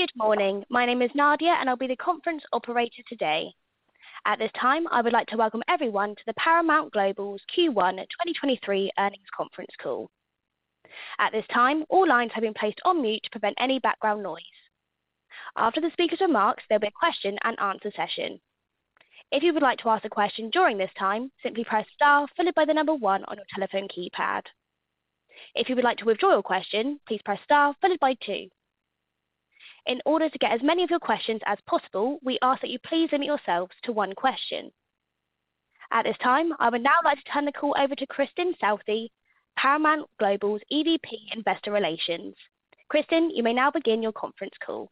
Good morning. My name is Nadia, I'll be the conference operator today. At this time, I would like to welcome everyone to Paramount Global's Q1 2023 Earnings Conference Call. At this time, all lines have been placed on mute to prevent any background noise. After the speaker's remarks, there'll be a question and answer session. If you would like to ask a question during this time, simply press star followed by one on your telephone keypad. If you would like to withdraw your question, please press star followed by two. In order to get as many of your questions as possible, we ask that you please limit yourselves to one question. At this time, I would now like to turn the call over to Kristin Southey, Paramount Global's EVP Investor Relations. Kristin, you may now begin your conference call.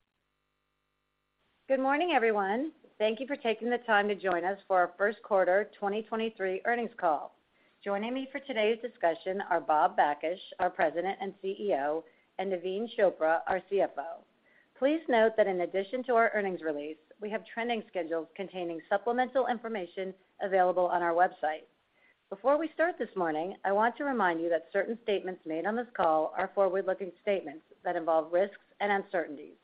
Good morning, everyone. Thank you for taking the time to join us for our first quarter 2023 earnings call. Joining me for today's discussion are Bob Bakish, our President and CEO, and Naveen Chopra, our CFO. Please note that in addition to our earnings release, we have trending schedules containing supplemental information available on our website. Before we start this morning, I want to remind you that certain statements made on this call are forward-looking statements that involve risks and uncertainties.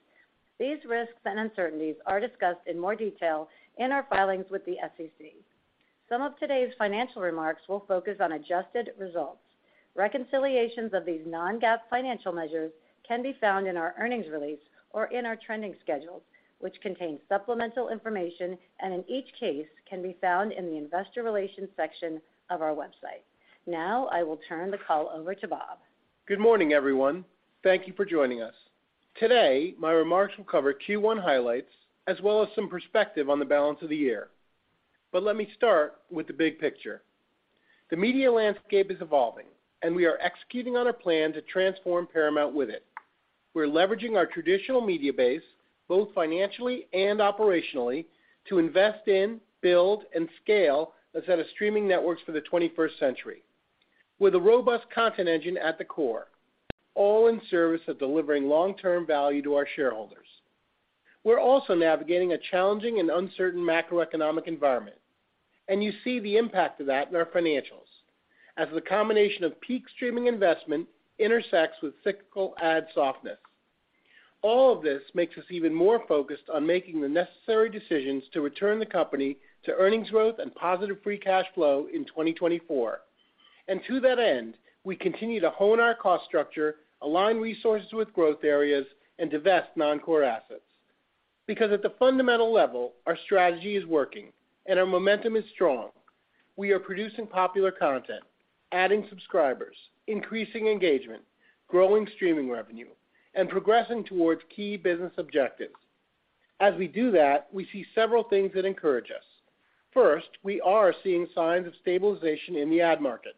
These risks and uncertainties are discussed in more detail in our filings with the SEC. Some of today's financial remarks will focus on adjusted results. Reconciliations of these non-GAAP financial measures can be found in our earnings release or in our trending schedules, which contain supplemental information, and in each case can be found in the investor relations section of our website. Now I will turn the call over to Bob. Good morning, everyone. Thank you for joining us. Today, my remarks will cover Q1 highlights as well as some perspective on the balance of the year. Let me start with the big picture. The media landscape is evolving, and we are executing on our plan to transform Paramount with it. We're leveraging our traditional media base, both financially and operationally, to invest in, build, and scale a set of streaming networks for the 21st century with a robust content engine at the core, all in service of delivering long-term value to our shareholders. We're also navigating a challenging and uncertain macroeconomic environment, and you see the impact of that in our financials as the combination of peak streaming investment intersects with cyclical ad softness. All of this makes us even more focused on making the necessary decisions to return the company to earnings growth and positive free cash flow in 2024. To that end, we continue to hone our cost structure, align resources with growth areas, and divest non-core assets. At the fundamental level, our strategy is working and our momentum is strong. We are producing popular content, adding subscribers, increasing engagement, growing streaming revenue, and progressing towards key business objectives. As we do that, we see several things that encourage us. First, we are seeing signs of stabilization in the ad market.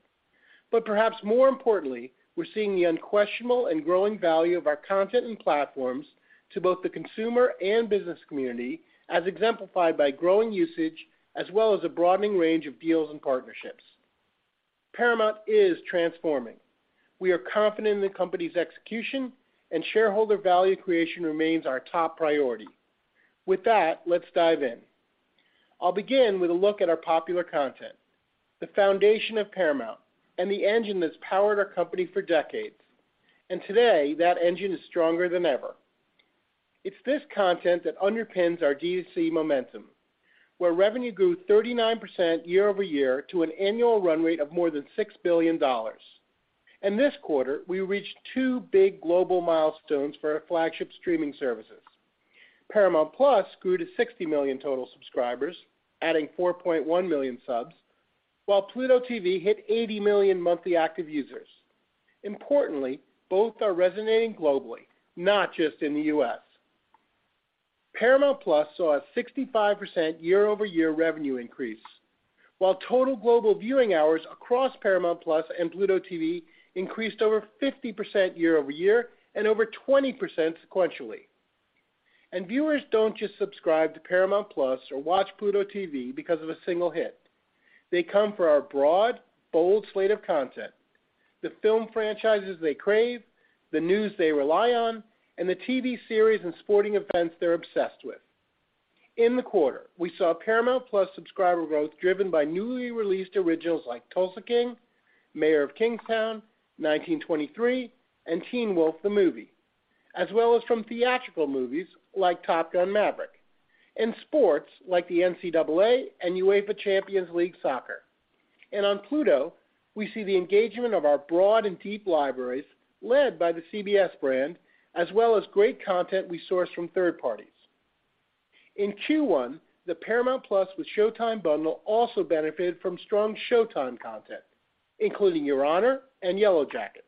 Perhaps more importantly, we're seeing the unquestionable and growing value of our content and platforms to both the consumer and business community as exemplified by growing usage as well as a broadening range of deals and partnerships. Paramount is transforming. We are confident in the company's execution and shareholder value creation remains our top priority. With that, let's dive in. I'll begin with a look at our popular content, the foundation of Paramount, and the engine that's powered our company for decades. Today, that engine is stronger than ever. It's this content that underpins our D2C momentum, where revenue grew 39% year-over-year to an annual run rate of more than $6 billion. This quarter, we reached two big global milestones for our flagship streaming services. Paramount+ grew to 60 million total subscribers, adding 4.1 million subs, while Pluto TV hit 80 million monthly active users. Importantly, both are resonating globally, not just in the U.S. Paramount+ saw a 65 year-over-year revenue increase, while total global viewing hours across Paramount+ and Pluto TV increased over 50% year-over-year and over 20% sequentially. Viewers don't just subscribe to Paramount+ or watch Pluto TV because of a single hit. They come for our broad, bold slate of content, the film franchises they crave, the news they rely on, and the TV series and sporting events they're obsessed with. In the quarter, we saw Paramount+ subscriber growth driven by newly released originals like Tulsa King, Mayor of Kingstown, 1923, and Teen Wolf: The Movie, as well as from theatrical movies like Top Gun: Maverick, and sports like the NCAA and UEFA Champions League Soccer. On Pluto, we see the engagement of our broad and deep libraries led by the CBS brand, as well as great content we source from third parties. In Q1, the Paramount+ with Showtime bundle also benefited from strong Showtime content, including Your Honor and Yellowjackets.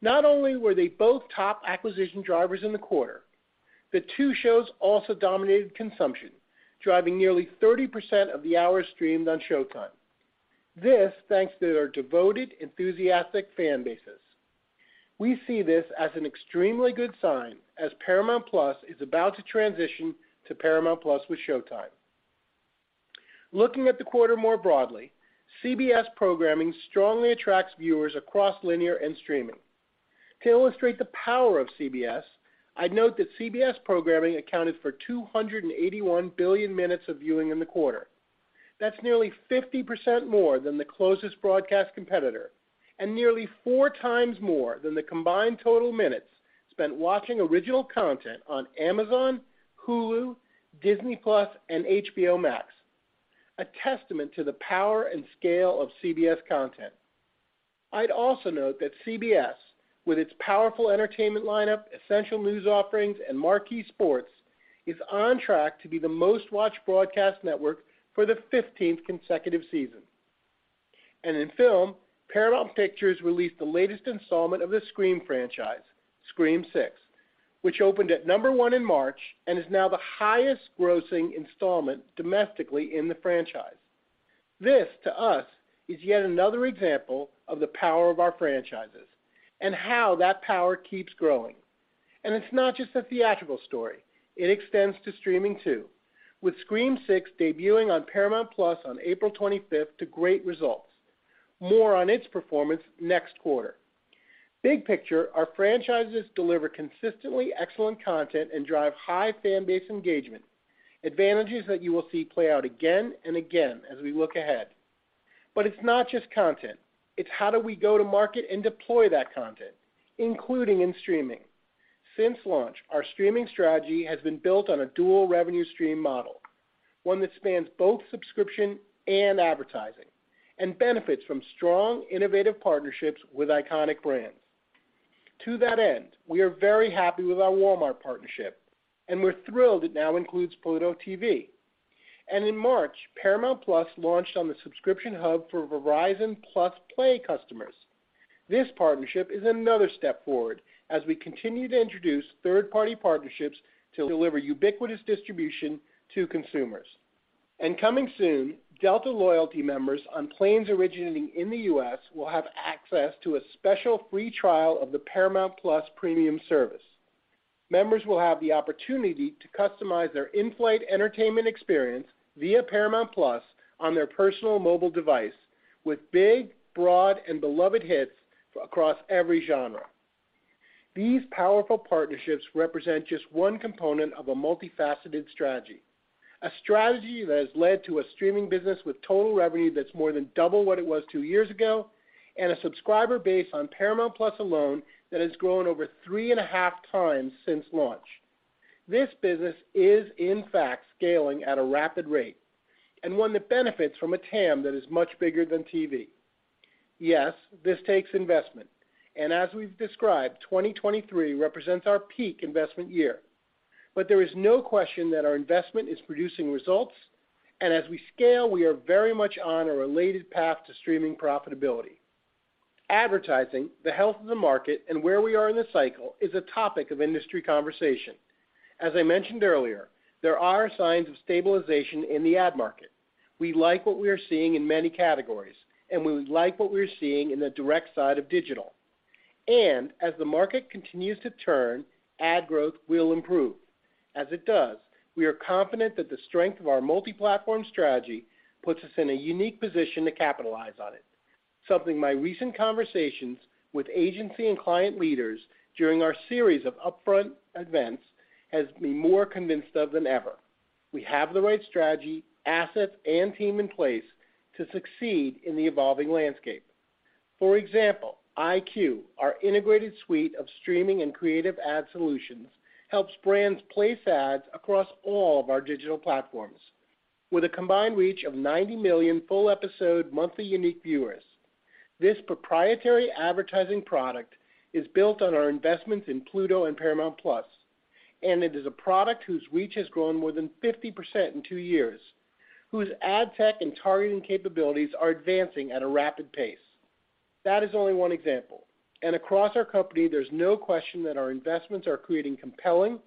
Not only were they both top acquisition drivers in the quarter, the two shows also dominated consumption, driving nearly 30% of the hours streamed on Showtime. This thanks to their devoted, enthusiastic fan bases. We see this as an extremely good sign as Paramount+ is about to transition to Paramount+ with Showtime. Looking at the quarter more broadly, CBS programming strongly attracts viewers across linear and streaming. To illustrate the power of CBS, I'd note that CBS programming accounted for 281 billion minutes of viewing in the quarter. That's nearly 50% more than the closest broadcast competitor, and nearly four times more than the combined total minutes spent watching original content on Amazon, Hulu, Disney+, and HBO Max. A testament to the power and scale of CBS content. I'd also note that CBS, with its powerful entertainment lineup, essential news offerings, and marquee sports, is on track to be the most-watched broadcast network for the 15th consecutive season. In film, Paramount Pictures released the latest installment of the Scream franchise, Scream VI, which opened at number one in March and is now the highest-grossing installment domestically in the franchise. This, to us, is yet another example of the power of our franchises and how that power keeps growing. It's not just a theatrical story, it extends to streaming too, with Scream VI debuting on Paramount+ on April 25th to great results. More on its performance next quarter. Big picture, our franchises deliver consistently excellent content and drive high fan base engagement, advantages that you will see play out again and again as we look ahead. It's not just content, it's how do we go to market and deploy that content, including in streaming. Since launch, our streaming strategy has been built on a dual revenue stream model, one that spans both subscription and advertising, and benefits from strong, innovative partnerships with iconic brands. To that end, we are very happy with our Walmart partnership, and we're thrilled it now includes Pluto TV. In March, Paramount+ launched on the subscription hub for Verizon +play customers. This partnership is another step forward as we continue to introduce third-party partnerships to deliver ubiquitous distribution to consumers. Coming soon, Delta loyalty members on planes originating in the U.S. will have access to a special free trial of the Paramount+ premium service. Members will have the opportunity to customize their in-flight entertainment experience via Paramount+ on their personal mobile device with big, broad, and beloved hits across every genre. These powerful partnerships represent just one component of a multifaceted strategy, a strategy that has led to a streaming business with total revenue that's more than double what it was two years ago, and a subscriber base on Paramount+ alone that has grown over 3.5x since launch. This business is in fact scaling at a rapid rate, and 1 that benefits from a TAM that is much bigger than TV. Yes, this takes investment. As we've described, 2023 represents our peak investment year. There is no question that our investment is producing results, and as we scale, we are very much on a related path to streaming profitability. Advertising, the health of the market, and where we are in the cycle is a topic of industry conversation. As I mentioned earlier, there are signs of stabilization in the ad market. We like what we are seeing in many categories, and we like what we are seeing in the direct side of digital. As the market continues to turn, ad growth will improve. As it does, we are confident that the strength of our multi-platform strategy puts us in a unique position to capitalize on it, something my recent conversations with agency and client leaders during our series of upfront events has me more convinced of than ever. We have the right strategy, assets, and team in place to succeed in the evolving landscape. For example, EyeQ, our integrated suite of streaming and creative ad solutions, helps brands place ads across all of our digital platforms. With a combined reach of 90 million full-episode monthly unique viewers, this proprietary advertising product is built on our investments in Pluto and Paramount+, and it is a product whose reach has grown more than 50% in two years, whose ad tech and targeting capabilities are advancing at a rapid pace. That is only one example. Across our company, there's no question that our investments are creating compelling,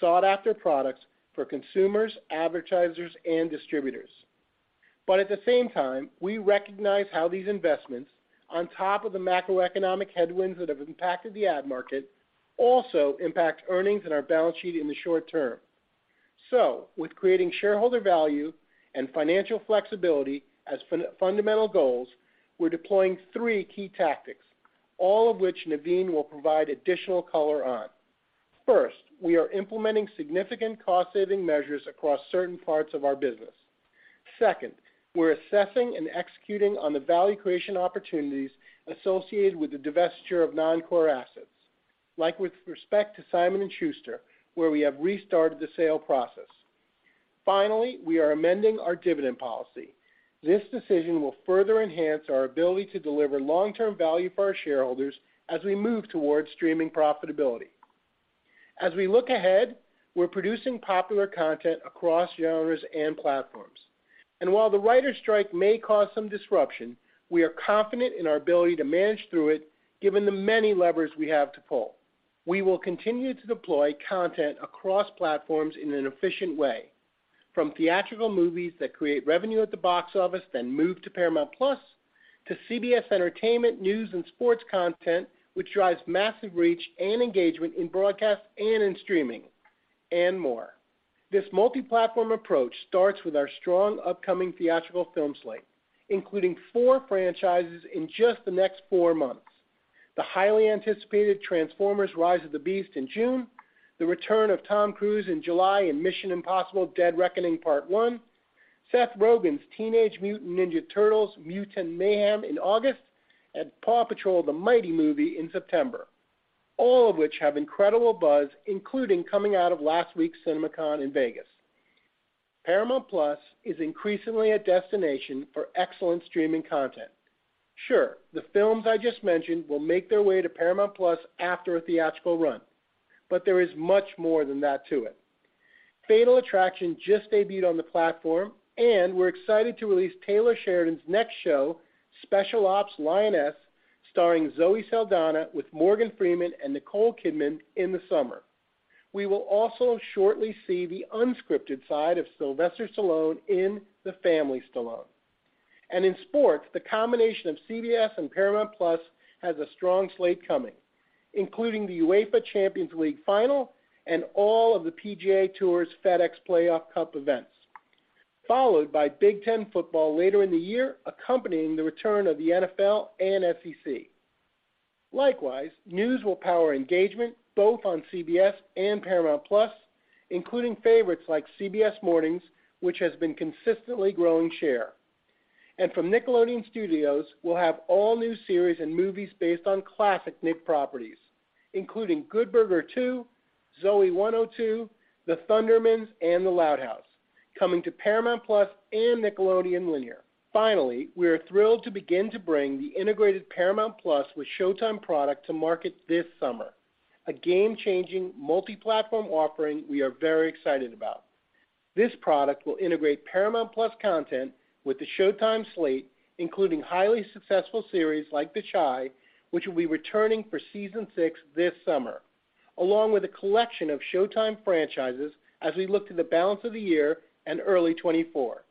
sought-after products for consumers, advertisers, and distributors. At the same time, we recognize how these investments, on top of the macroeconomic headwinds that have impacted the ad market, also impact earnings and our balance sheet in the short term. With creating shareholder value and financial flexibility as fundamental goals, we're deploying three key tactics, all of which Naveen will provide additional color on. First, we are implementing significant cost-saving measures across certain parts of our business. Second, we're assessing and executing on the value creation opportunities associated with the divesture of non-core assets, like with respect to Simon & Schuster, where we have restarted the sale process. Finally, we are amending our dividend policy. This decision will further enhance our ability to deliver long-term value for our shareholders as we move towards streaming profitability. As we look ahead, we're producing popular content across genres and platforms. While the writers' strike may cause some disruption, we are confident in our ability to manage through it, given the many levers we have to pull. We will continue to deploy content across platforms in an efficient way, from theatrical movies that create revenue at the box office then move to Paramount+, to CBS entertainment, news, and sports content, which drives massive reach and engagement in broadcast and in streaming, and more. This multi-platform approach starts with our strong upcoming theatrical film slate, including four franchises in just the next four months. The highly anticipated Transformers: Rise of the Beasts in June, the return of Tom Cruise in July in Mission: Impossible – Dead Reckoning Part One, Seth Rogen's Teenage Mutant Ninja Turtles: Mutant Mayhem in August, and PAW Patrol: The Mighty Movie in September, all of which have incredible buzz, including coming out of last week's CinemaCon in Vegas. Paramount+ is increasingly a destination for excellent streaming content. Sure, the films I just mentioned will make their way to Paramount+ after a theatrical run. There is much more than that to it. Fatal Attraction just debuted on the platform. We're excited to release Taylor Sheridan's next show, Special Ops: Lioness, starring Zoe Saldaña with Morgan Freeman and Nicole Kidman in the summer. We will also shortly see the unscripted side of Sylvester Stallone in The Family Stallone. In sports, the combination of CBS and Paramount+ has a strong slate coming, including the UEFA Champions League final and all of the PGA Tour's FedEx playoff cup events, followed by Big Ten football later in the year, accompanying the return of the NFL and SEC. Likewise, news will power engagement both on CBS and Paramount+, including favorites like CBS Mornings, which has been consistently growing share. From Nickelodeon Studios, we'll have all-new series and movies based on classic Nick properties, including Good Burger 2, Zoey 102, The Thundermans, and The Loud House, coming to Paramount+ and Nickelodeon Linear. We are thrilled to begin to bring the integrated Paramount+ with Showtime product to market this summer, a game-changing multi-platform offering we are very excited about. This product will integrate Paramount+ content with the Showtime slate, including highly successful series like The Chi, which will be returning for season six this summer, along with a collection of Showtime franchises as we look to the balance of the year and early 2024.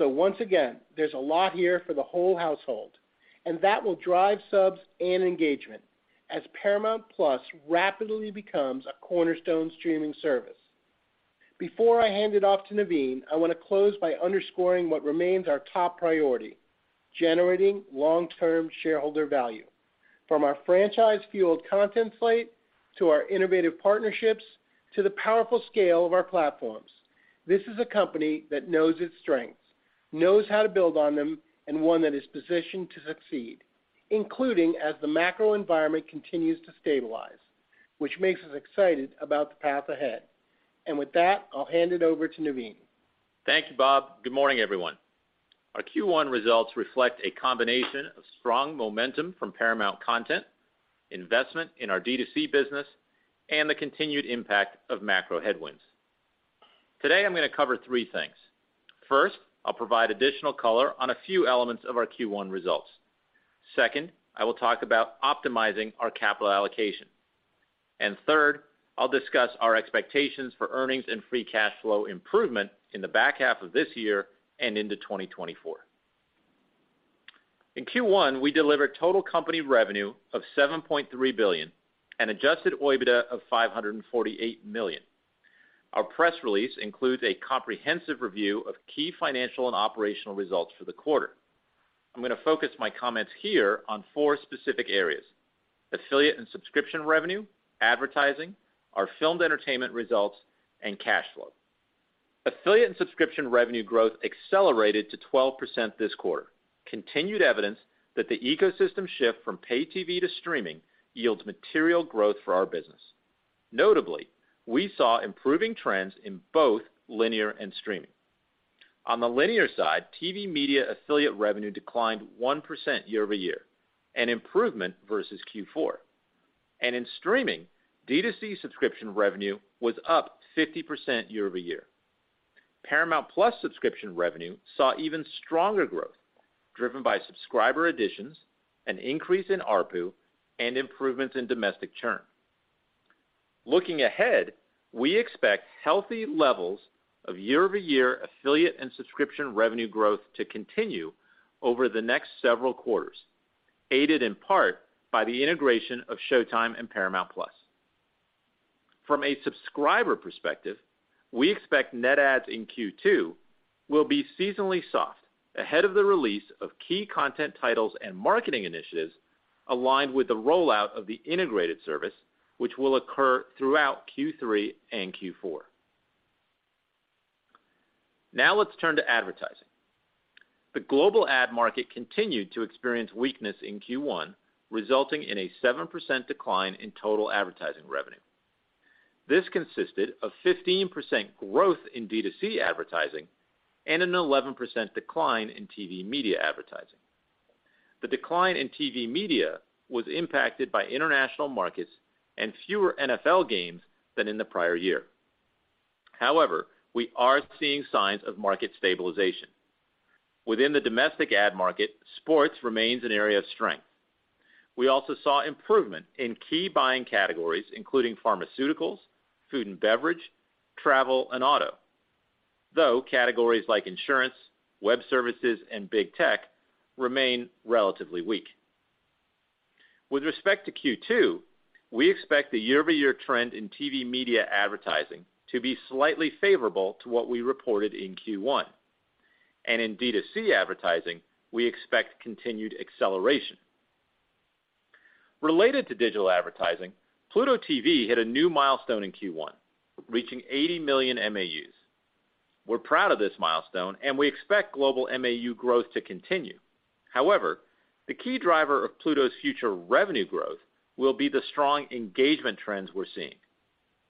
Once again, there's a lot here for the whole household, and that will drive subs and engagement as Paramount+ rapidly becomes a cornerstone streaming service. Before I hand it off to Naveen, I want to close by underscoring what remains our top priority, generating long-term shareholder value. From our franchise-fueled content slate to our innovative partnerships to the powerful scale of our platforms, this is a company that knows its strengths, knows how to build on them, and one that is positioned to succeed, including as the macro environment continues to stabilize, which makes us excited about the path ahead. With that, I'll hand it over to Naveen. Thank you, Bob. Good morning, everyone. Our Q1 results reflect a combination of strong momentum from Paramount content, investment in our D2C business, and the continued impact of macro headwinds. Today, I'm gonna cover three things. First, I'll provide additional color on a few elements of our Q1 results. Second, I will talk about optimizing our capital allocation. Third, I'll discuss our expectations for earnings and free cash flow improvement in the back half of this year and into 2024. In Q1, we delivered total company revenue of $7.3 billion and adjusted OIBDA of $548 million. Our press release includes a comprehensive review of key financial and operational results for the quarter. I'm gonna focus my comments here on four specific areas: affiliate and subscription revenue, advertising, our filmed entertainment results, and cash flow. Affiliate and subscription revenue growth accelerated to 12% this quarter, continued evidence that the ecosystem shift from pay TV to streaming yields material growth for our business. Notably, we saw improving trends in both linear and streaming. On the linear side, TV media affiliate revenue declined 1% year-over-year, an improvement versus Q4. In streaming, D2C subscription revenue was up 50% year-over-year. Paramount+ subscription revenue saw even stronger growth, driven by subscriber additions, an increase in ARPU, and improvements in domestic churn. Looking ahead, we expect healthy levels of year-over-year affiliate and subscription revenue growth to continue over the next several quarters, aided in part by the integration of Showtime and Paramount+. From a subscriber perspective, we expect net adds in Q2 will be seasonally soft ahead of the release of key content titles and marketing initiatives aligned with the rollout of the integrated service, which will occur throughout Q3 and Q4. Let's turn to advertising. The global ad market continued to experience weakness in Q1, resulting in a 7% decline in total advertising revenue. This consisted of 15% growth in D2C advertising and an 11% decline in TV media advertising. The decline in TV media was impacted by international markets and fewer NFL games than in the prior year. We are seeing signs of market stabilization. Within the domestic ad market, sports remains an area of strength. We also saw improvement in key buying categories, including pharmaceuticals, food and beverage, travel, and auto. Categories like insurance, web services, and big tech remain relatively weak. With respect to Q2, we expect the year-over-year trend in TV media advertising to be slightly favorable to what we reported in Q1. In D2C advertising, we expect continued acceleration. Related to digital advertising, Pluto TV hit a new milestone in Q1, reaching 80 million MAUs. We're proud of this milestone, and we expect global MAU growth to continue. However, the key driver of Pluto's future revenue growth will be the strong engagement trends we're seeing.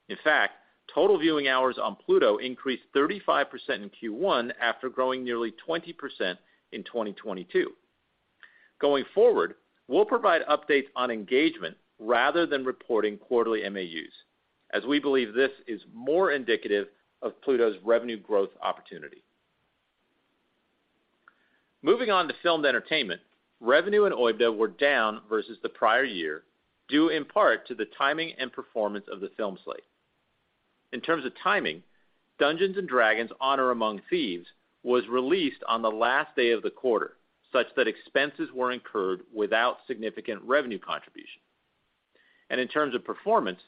In fact, total viewing hours on Pluto increased 35% in Q1 after growing nearly 20% in 2022. Going forward, we'll provide updates on engagement rather than reporting quarterly MAUs, as we believe this is more indicative of Pluto's revenue growth opportunity. Moving on to Filmed Entertainment, revenue and OIBDA were down versus the prior year, due in part to the timing and performance of the film slate. In terms of timing, Dungeons & Dragons: Honor Among Thieves was released on the last day of the quarter, such that expenses were incurred without significant revenue contribution. In terms of performance,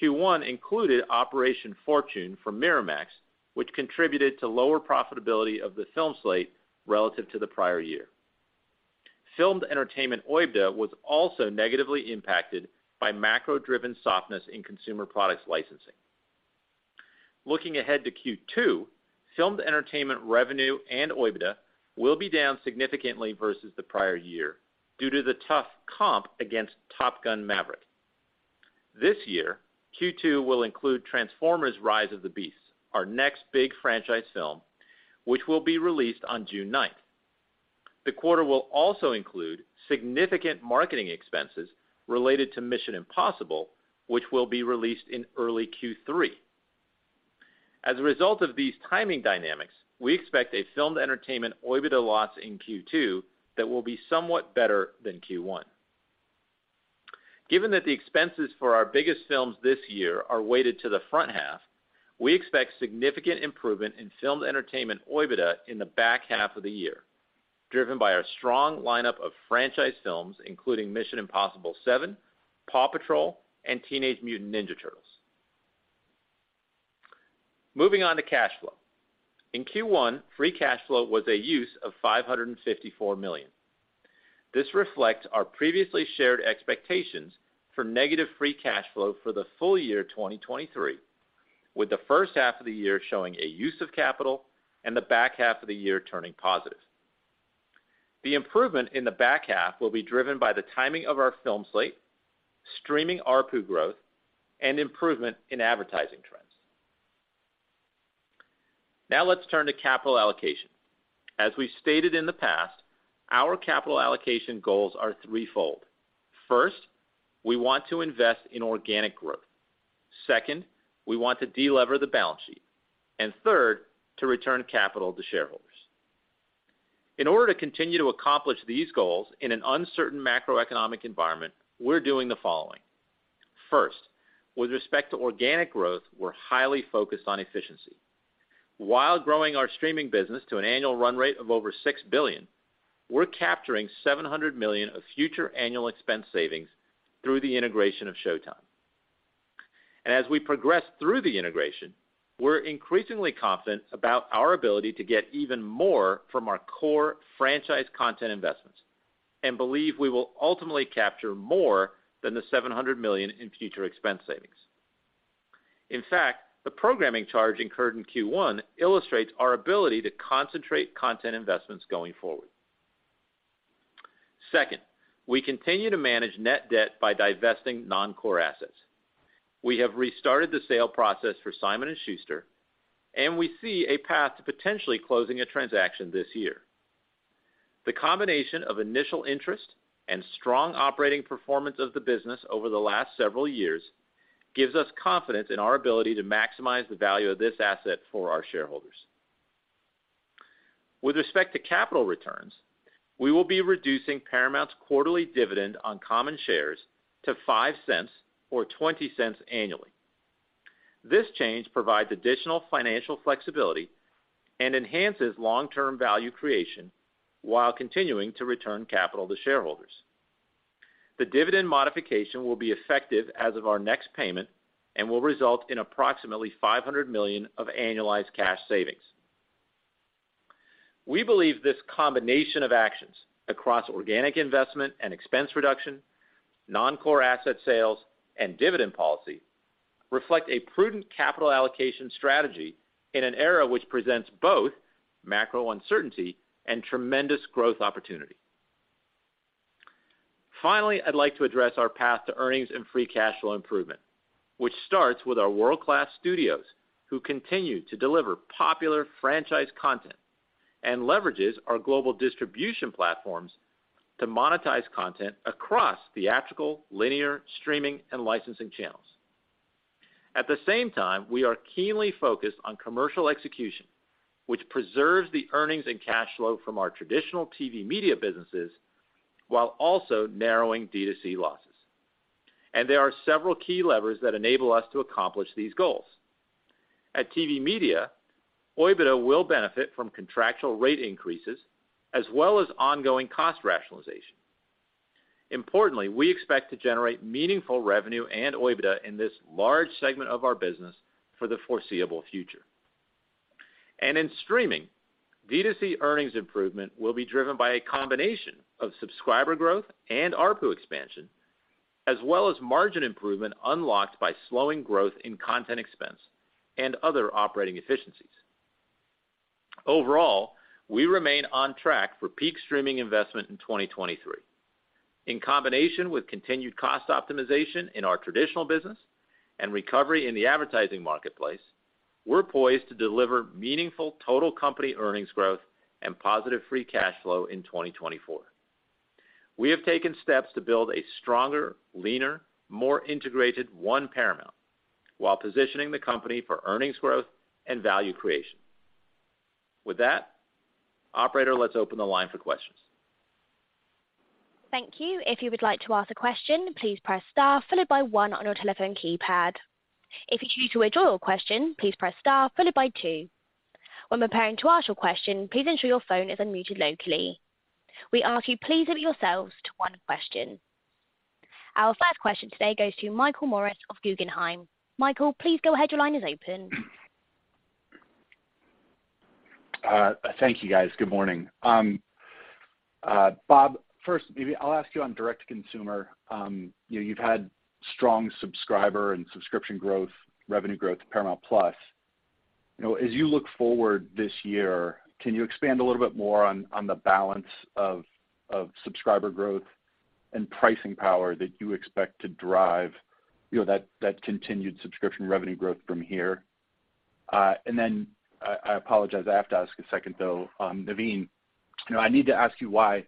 Q1 included Operation Fortune from Miramax, which contributed to lower profitability of the film slate relative to the prior year. Filmed Entertainment OIBDA was also negatively impacted by macro-driven softness in consumer products licensing. Looking ahead to Q2, Filmed Entertainment revenue and OIBDA will be down significantly versus the prior year due to the tough comp against Top Gun: Maverick. This year, Q2 will include Transformers: Rise of the Beasts, our next big franchise film, which will be released on June 9th. The quarter will also include significant marketing expenses related to Mission Impossible, which will be released in early Q3. As a result of these timing dynamics, we expect a Filmed Entertainment OIBDA loss in Q2 that will be somewhat better than Q1. Given that the expenses for our biggest films this year are weighted to the front half, we expect significant improvement in Filmed Entertainment OIBDA in the back half of the year, driven by our strong lineup of franchise films, including Mission Impossible seven, PAW Patrol, and Teenage Mutant Ninja Turtles. Moving on to cash flow. In Q1, free cash flow was a use of $554 million. This reflects our previously shared expectations for negative free cash flow for the full year 2023, with the first half of the year showing a use of capital and the back half of the year turning positive. The improvement in the back half will be driven by the timing of our film slate, streaming ARPU growth, and improvement in advertising trends. Now let's turn to capital allocation. As we stated in the past, our capital allocation goals are threefold. First, we want to invest in organic growth. Second, we want to delever the balance sheet, and third, to return capital to shareholders. In order to continue to accomplish these goals in an uncertain macroeconomic environment, we're doing the following. First, with respect to organic growth, we're highly focused on efficiency. While growing our streaming business to an annual run rate of over $6 billion, we're capturing $700 million of future annual expense savings through the integration of Showtime. As we progress through the integration, we're increasingly confident about our ability to get even more from our core franchise content investments and believe we will ultimately capture more than the $700 million in future expense savings. In fact, the programming charge incurred in Q1 illustrates our ability to concentrate content investments going forward. Second, we continue to manage net debt by divesting non-core assets. We have restarted the sale process for Simon & Schuster, and we see a path to potentially closing a transaction this year. The combination of initial interest and strong operating performance of the business over the last several years gives us confidence in our ability to maximize the value of this asset for our shareholders. With respect to capital returns, we will be reducing Paramount's quarterly dividend on common shares to $0.05-$0.20 annually. This change provides additional financial flexibility and enhances long-term value creation while continuing to return capital to shareholders. The dividend modification will be effective as of our next payment and will result in approximately $500 million of annualized cash savings. We believe this combination of actions across organic investment and expense reduction, non-core asset sales, and dividend policy reflect a prudent capital allocation strategy in an era which presents both macro uncertainty and tremendous growth opportunity. Finally, I'd like to address our path to earnings and free cash flow improvement, which starts with our world-class studios who continue to deliver popular franchise content and leverages our global distribution platforms to monetize content across theatrical, linear, streaming, and licensing channels. At the same time, we are keenly focused on commercial execution, which preserves the earnings and cash flow from our traditional TV media businesses while also narrowing D2C losses. There are several key levers that enable us to accomplish these goals. At TV Media, OIBDA will benefit from contractual rate increases as well as ongoing cost rationalization. Importantly, we expect to generate meaningful revenue and OIBDA in this large segment of our business for the foreseeable future. In streaming, D2C earnings improvement will be driven by a combination of subscriber growth and ARPU expansion, as well as margin improvement unlocked by slowing growth in content expense and other operating efficiencies. Overall, we remain on track for peak streaming investment in 2023. In combination with continued cost optimization in our traditional business and recovery in the advertising marketplace, we're poised to deliver meaningful total company earnings growth and positive free cash flow in 2024. We have taken steps to build a stronger, leaner, more integrated One Paramount, while positioning the company for earnings growth and value creation. With that, operator, let's open the line for questions. Thank you. If you would like to ask a question, please press star followed by one on your telephone keypad. If you choose to withdraw your question, please press star followed by two. When preparing to ask your question, please ensure your phone is unmuted locally. We ask you please limit yourselves to one question. Our first question today goes to Michael Morris of Guggenheim. Michael, please go ahead. Your line is open. Thank you, guys. Good morning. Bob, first, maybe I'll ask you on direct-to-consumer. You know, you've had strong subscriber and subscription growth, revenue growth to Paramount+. You know, as you look forward this year, can you expand a little more on the balance of subscriber growth and pricing power that you expect to drive, you know, that continued subscription revenue growth from here? I apologize, I have to ask a second, though. Naveen, you know, I need to ask you why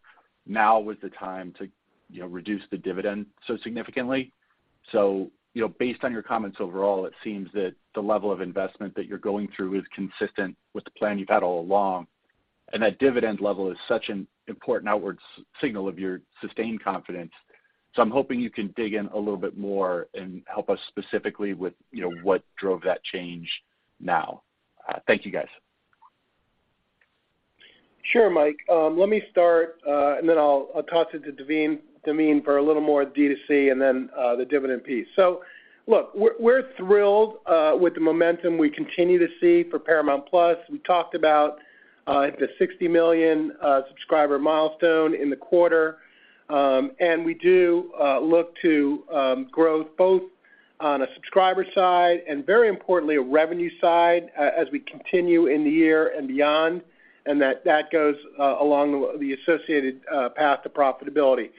now was the time to, you know, reduce the dividend so significantly. You know, based on your comments overall, it seems that the level of investment that you're going through is consistent with the plan you've had all along, and that dividend level is such an important outward signal of your sustained confidence. I'm hoping you can dig in a little bit more and help us specifically with, you know, what drove that change now. Thank you, guys. Sure, Mike. Let me start, and then I'll toss it to Naveen Chopra for a little more D2C and then, the dividend piece. Look, we're thrilled with the momentum we continue to see for Paramount+. We talked about the 60 million subscriber milestone in the quarter. We do look to growth both on a subscriber side and very importantly, a revenue side as we continue in the year and beyond, and that goes along the associated path to profitability.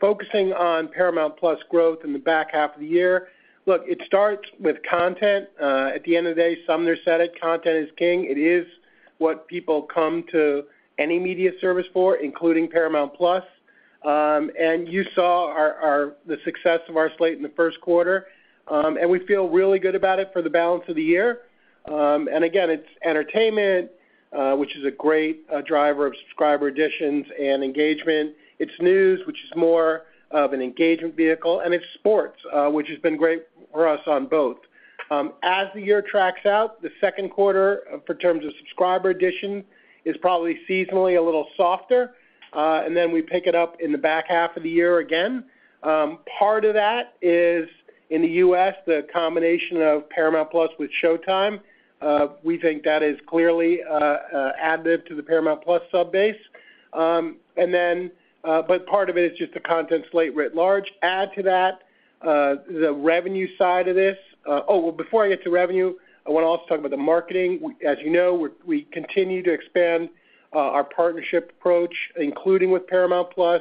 Focusing on Paramount+ growth in the back half of the year. Look, it starts with content. At the end of the day Sumner said it, Content is King. It is what people come to any media service for, including Paramount+. You saw our, the success of our slate in the first quarter, and we feel really good about it for the balance of the year. Again, it's entertainment, which is a great driver of subscriber additions and engagement. It's news, which is more of an engagement vehicle, and it's sports, which has been great for us on both. As the year tracks out, the second quarter, for terms of subscriber addition is probably seasonally a little softer, and then we pick it up in the back half of the year again. Part of that is in the U.S., the combination of Paramount+ with Showtime, we think that is clearly additive to the Paramount+ sub base. But part of it is just the content slate writ large. Add to that, the revenue side of this. Well, before I get to revenue, I wanna also talk about the marketing. As you know, we continue to expand our partnership approach, including with Paramount+. The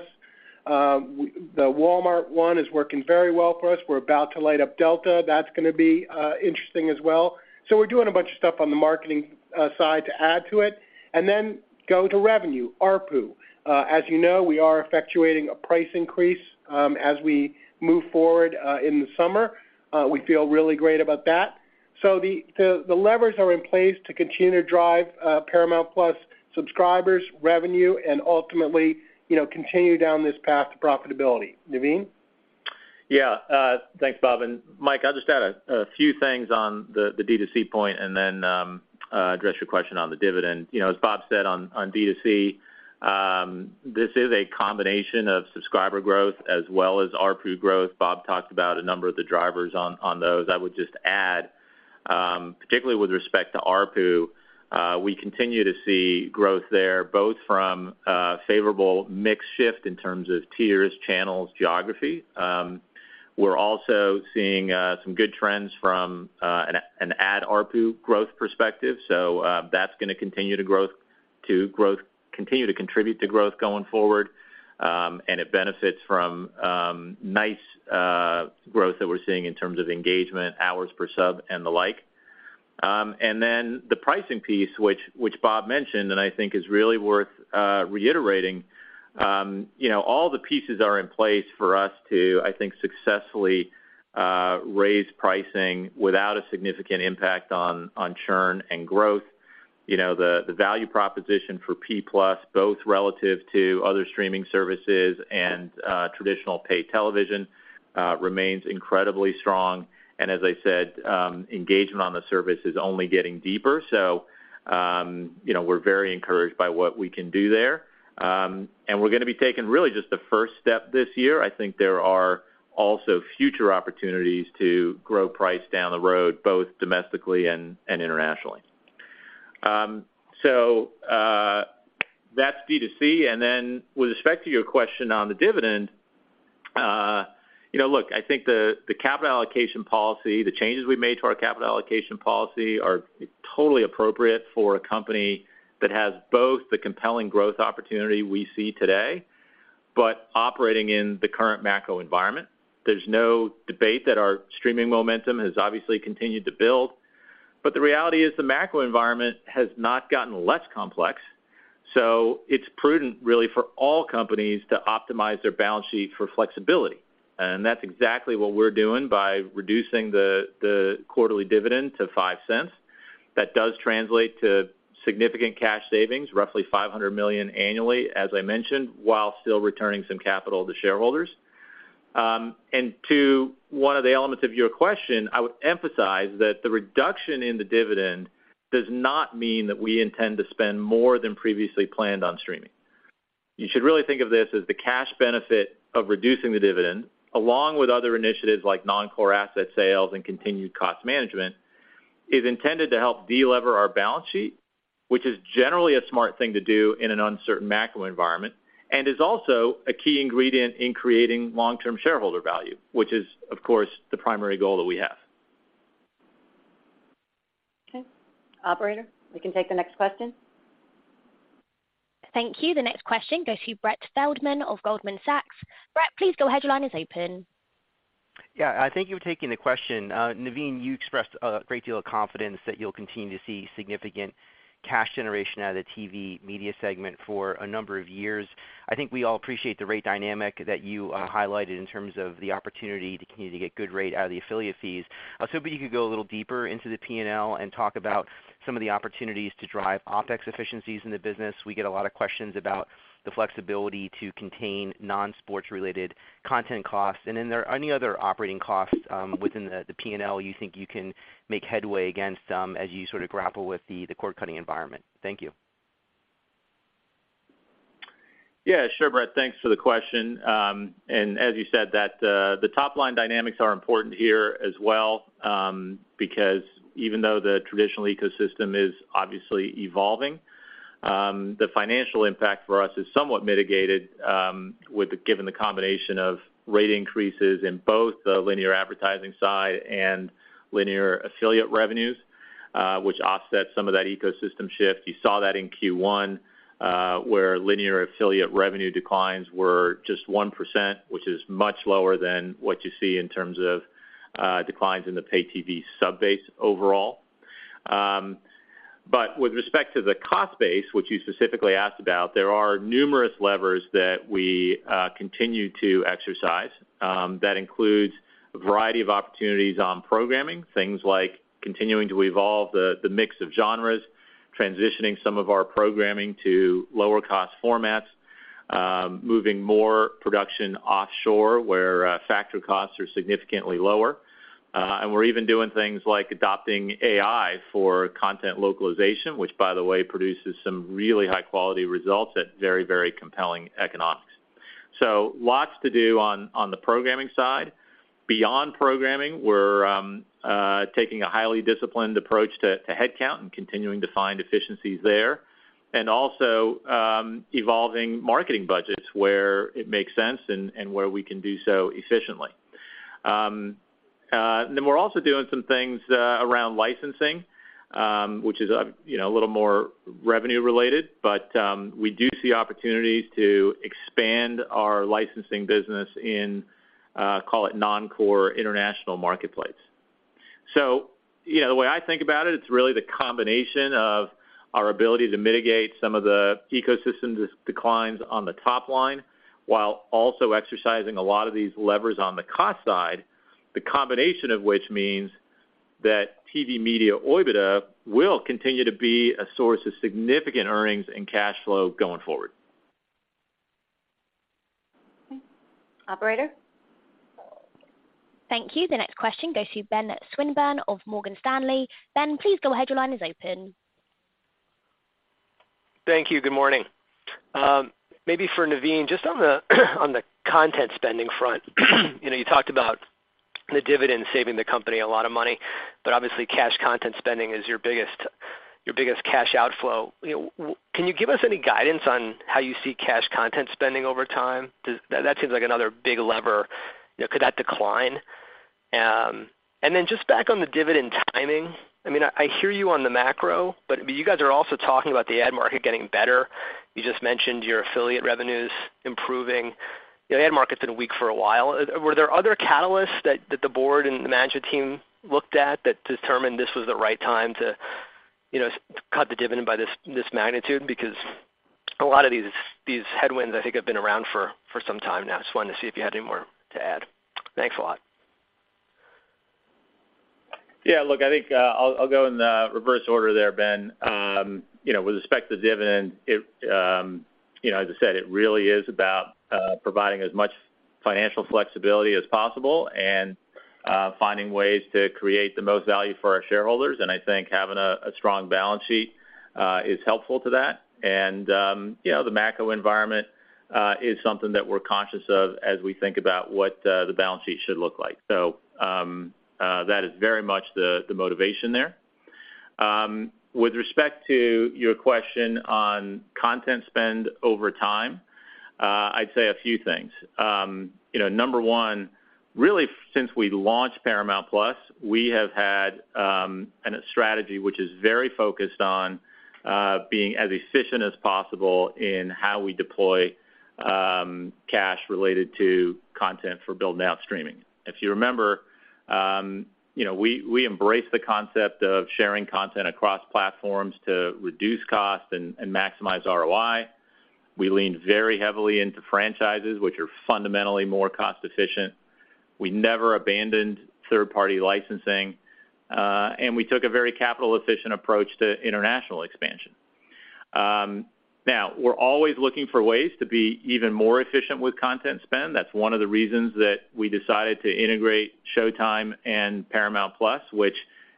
Walmart one is working very well for us. We're about to light up Delta. That's gonna be interesting as well. We're doing a bunch of stuff on the marketing side to add to it and then go to revenue, ARPU. As you know, we are effectuating a price increase as we move forward in the summer. We feel really great about that. The levers are in place to continue to drive Paramount+ subscribers, revenue and ultimately, you know, continue down this path to profitability. Naveen? Yeah. Thanks, Bob. Mike, I just add a few things on the D2C point then address your question on the dividend. You know, as Bob said on D2C, this is a combination of subscriber growth as well as ARPU growth. Bob talked about a number of the drivers on those. I would just add, particularly with respect to ARPU, we continue to see growth there, both from favorable mix shift in terms of tiers, channels, geography. We're also seeing some good trends from an ad ARPU growth perspective. That's gonna continue to contribute to growth going forward. It benefits from nice growth that we're seeing in terms of engagement hours per sub and the like. Then the pricing piece, which Bob mentioned and I think is really worth reiterating, you know, all the pieces are in place for us to, I think, successfully raise pricing without a significant impact on churn and growth. You know, the value proposition for P+ both relative to other streaming services and traditional paid television remains incredibly strong. As I said, engagement on the service is only getting deeper. You know, we're very encouraged by what we can do there. We're gonna be taking really just the first step this year. I think there are also future opportunities to grow price down the road, both domestically and internationally. That's DTC. With respect to your question on the dividend, you know, look, I think the capital allocation policy, the changes we made to our capital allocation policy are totally appropriate for a company that has both the compelling growth opportunity we see today but operating in the current macro environment. There's no debate that our streaming momentum has obviously continued to build. The reality is the macro environment has not gotten less complex. It's prudent really for all companies to optimize their balance sheet for flexibility. That's exactly what we're doing by reducing the quarterly dividend to $0.05. That does translate to significant cash savings, roughly $500 million annually, as I mentioned, while still returning some capital to shareholders. To one of the elements of your question, I would emphasize that the reduction in the dividend does not mean that we intend to spend more than previously planned on streaming. You should really think of this as the cash benefit of reducing the dividend, along with other initiatives like non-core asset sales and continued cost management, is intended to help delever our balance sheet, which is generally a smart thing to do in an uncertain macro environment and is also a key ingredient in creating long-term shareholder value, which is, of course, the primary goal that we have. Okay. Operator, we can take the next question. Thank you. The next question goes to Brett Feldman of Goldman Sachs. Brett, please go ahead. Your line is open. Thank you for taking the question. Naveen, you expressed a great deal of confidence that you'll continue to see significant cash generation out of the TV media segment for a number of years. I think we all appreciate the rate dynamic that you highlighted in terms of the opportunity to continue to get good rate out of the affiliate fees. I was hoping you could go a little deeper into the P&L and talk about some of the opportunities to drive OpEx efficiencies in the business. We get a lot of questions about the flexibility to contain non-sports related content costs. Are there any other operating costs within the P&L you think you can make headway against as you sort of grapple with the cord-cutting environment? Thank you. Yeah, sure, Brett. Thanks for the question. As you said, that, the top-line dynamics are important here as well, because even though the traditional ecosystem is obviously evolving, the financial impact for us is somewhat mitigated, given the combination of rate increases in both the linear advertising side and linear affiliate revenues, which offsets some of that ecosystem shift. You saw that in Q1, where linear affiliate revenue declines were just 1%, which is much lower than what you see in terms of, declines in the pay TV sub-base overall. With respect to the cost base, which you specifically asked about, there are numerous levers that we continue to exercise, that includes a variety of opportunities on programming, things like continuing to evolve the mix of genres, transitioning some of our programming to lower cost formats, moving more production offshore where factor costs are significantly lower. We're even doing things like adopting AI for content localization, which by the way, produces some really high-quality results at very, very compelling economics. Lots to do on the programming side. Beyond programming, we're taking a highly disciplined approach to headcount and continuing to find efficiencies there. Also, evolving marketing budgets where it makes sense and where we can do so efficiently. We're also doing some things around licensing, which is, a little more revenue related. We do see opportunities to expand our licensing business in call it non-core international marketplace. The way I think about it's really the combination of our ability to mitigate some of the ecosystem declines on the top line while also exercising a lot of these levers on the cost side, the combination of which means that TV media OIBDA will continue to be a source of significant earnings and cash flow going forward. Okay. Operator? Thank you. The next question goes to Ben Swinburne of Morgan Stanley. Ben, please go ahead. Your line is open. Thank you. Good morning. maybe for Naveen, just on the content spending front. You know, you talked about the dividend saving the company a lot of money, but obviously cash content spending is your biggest cash outflow. You know, can you give us any guidance on how you see cash content spending over time? That seems like another big lever. You know, could that decline? Then just back on the dividend timing. I mean, I hear you on the macro, but you guys are also talking about the ad market getting better. You just mentioned your affiliate revenues improving. The ad market's been weak for a while. Were there other catalysts that the board and the management team looked at that determined this was the right time to, you know, cut the dividend by this magnitude? A lot of these headwinds, I think, have been around for some time now. Just wanted to see if you had any more to add. Thanks a lot. Yeah. Look, I think, I'll go in the reverse order there, Ben. You know, with respect to dividend, it, you know, as I said, it really is about providing as much financial flexibility as possible and finding ways to create the most value for our shareholders. I think having a strong balance sheet is helpful to that. You know, the macro environment is something that we're conscious of as we think about what the balance sheet should look like. That is very much the motivation there. With respect to your question on content spend over time, I'd say a few things. You know, number one, really, since we launched Paramount+, we have had, and a strategy which is very focused on being as efficient as possible in how we deploy cash related to content for building out streaming. If you remember, you know, we embrace the concept of sharing content across platforms to reduce cost and maximize ROI. We lean very heavily into franchises which are fundamentally more cost efficient. We never abandoned third-party licensing, and we took a very capital efficient approach to international expansion. Now we're always looking for ways to be even more efficient with content spend. That's one of the reasons that we decided to integrate Showtime and Paramount+, which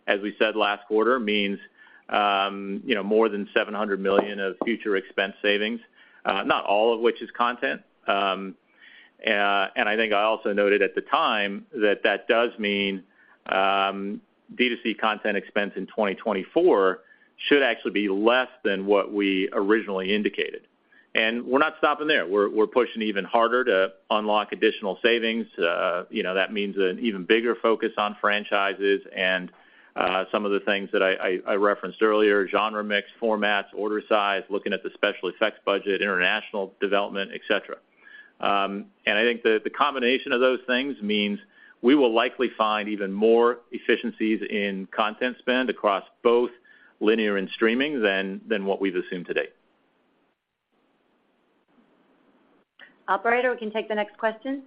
as we said last quarter means, you know, more than $700 million of future expense savings, not all of which is content. I think I also noted at the time that that does mean D2C content expense in 2024 should actually be less than what we originally indicated. We're not stopping there. We're pushing even harder to unlock additional savings. you know, that means an even bigger focus on franchises and some of the things that I referenced earlier, genre mix, formats, order size, looking at the special effects budget, international development, et cetera. I think the combination of those things means we will likely find even more efficiencies in content spend across both linear and streaming than what we've assumed to date. Operator, we can take the next question.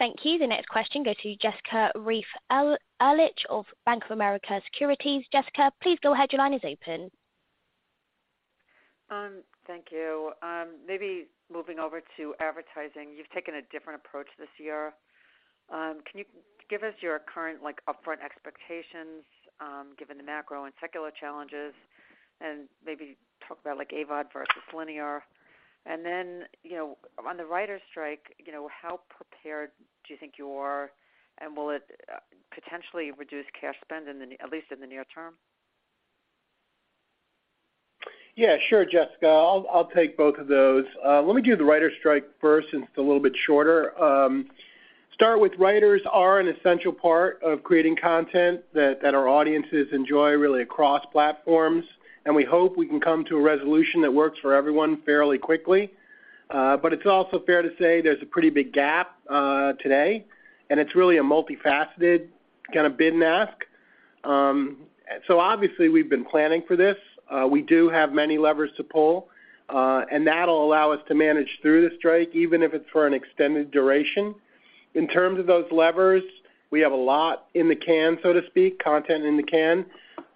Thank you. The next question goes to Jessica Reif Ehrlich of Bank of America Securities. Jessica, please go ahead. Your line is open. Thank you. Maybe moving over to advertising, you've taken a different approach this year. Can you give us your current like upfront expectations, given the macro and secular challenges, and maybe talk about like AVOD versus linear? You know, on the writers strike, you know, how prepared do you think you are, and will it, potentially reduce cash spend at least in the near term? Yeah, sure, Jessica. I'll take both of those. Let me do the writers strike first since it's a little bit shorter. Start with writers are an essential part of creating content that our audiences enjoy really across platforms, and we hope we can come to a resolution that works for everyone fairly quickly. It's also fair to say there's a pretty big gap today, and it's really a multifaceted kind of bid and ask. Obviously we've been planning for this. We do have many levers to pull, and that'll allow us to manage through the strike even if it's for an extended duration. In terms of those levers, we have a lot in the can, so to speak, content in the can.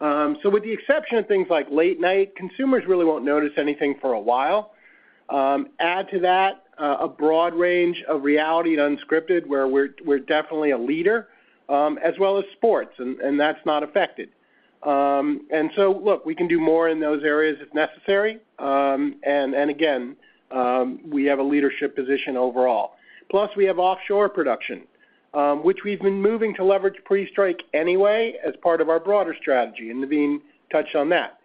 With the exception of things like late night, consumers really won't notice anything for a while. Add to that, a broad range of reality and unscripted where we're definitely a leader, as well as sports, and that's not affected. Look, we can do more in those areas if necessary. Again, we have a leadership position overall. We have offshore production, which we've been moving to leverage pre-strike anyway as part of our broader strategy, Naveen touched on that.